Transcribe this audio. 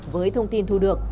với thông tin thu được